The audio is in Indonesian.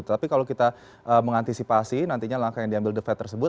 tapi kalau kita mengantisipasi nantinya langkah yang diambil the fed tersebut